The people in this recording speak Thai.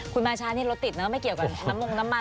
คุณมาช้านี่รถติดนะไม่เกี่ยวกับน้ำมงน้ำมัน